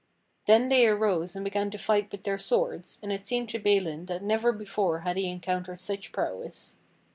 Then they arose and began to fight with their swords, and it seemed to Balin that never before had he encountered such prowess.